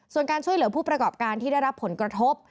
ส่วนการช่วยเหลือผู้ประกอบการที่ได้รับผลกระทบ